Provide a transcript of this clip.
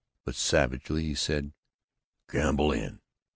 But savagely he said "Campbell Inn!"